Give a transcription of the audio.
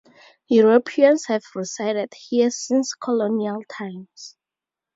Europeans have resided here since colonial times.